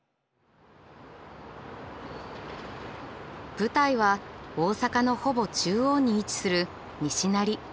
舞台は大阪のほぼ中央に位置する西成。